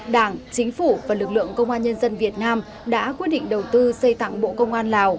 đảng chính phủ và lực lượng công an nhân dân việt nam đã quyết định đầu tư xây tặng bộ công an lào